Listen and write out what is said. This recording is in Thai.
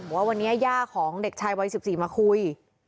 ว่าวันนี้ย่าของเด็กชายวัย๑๔มาคุย